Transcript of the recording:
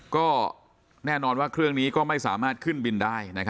ก็แน่นอนว่าเครื่องนี้ก็ไม่สามารถขึ้นบินได้